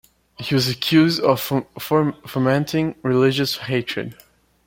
He was accused of fomenting religious hatred.